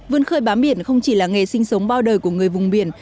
vươn khơi bám biển không chỉ là nghề sinh sống bao đời của người vùng biển